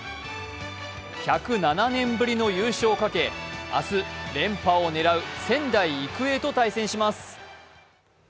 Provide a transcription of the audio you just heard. １０７年ぶりの優勝をかけ明日、連覇を狙う仙台育英と対戦します。